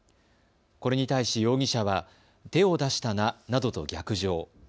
これに対し容疑者は手を出したななどと逆上。